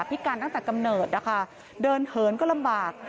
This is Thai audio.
พิการตั้งแต่กำเนิดนะคะเดินเหินก็ลำบาก